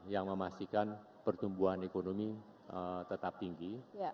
yang memastikan pertumbuhan ekonomi tetap tinggi